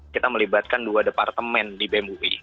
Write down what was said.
kita melibatkan dua departemen di bem ui